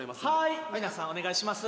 い皆さんお願いします